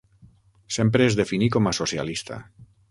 Sempre es definí com a socialista.